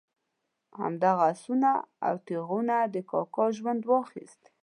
همدغه آسونه او تیغونه د کاکا ژوند واخیست.